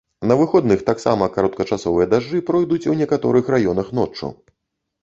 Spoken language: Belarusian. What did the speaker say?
На выходных таксама кароткачасовыя дажджы пройдуць у некаторых раёнах ноччу.